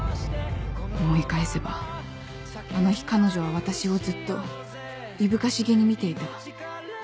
思い返せばあの日彼女は私をずっと訝かしげに見ていた